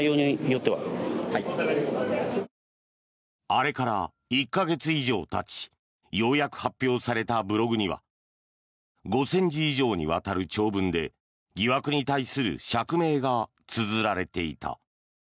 あれから１か月以上たちようやく発表されたブログには５０００字に以上にわたる長文で疑惑に対する釈明がつづられていた。